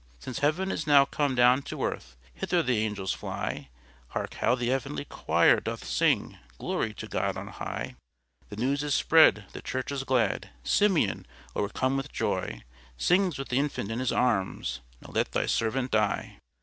Since heaven is now come down to earth, Hither the angels fly! Hark, how the heavenly choir doth sing Glory to God on High! The news is spread, the church is glad, SIMEON, o'ercome with joy, Sings with the infant in his arms, NOW LET THY SERVANT DIE.